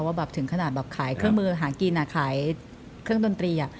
แบบถึงขนาดแบบขายเครื่องมือหากินขายเครื่องดนตรี